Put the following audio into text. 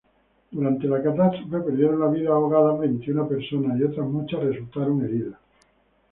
Durante la catástrofe perdieron la vida ahogadas veintiuna personas, y otras muchas resultaron heridas.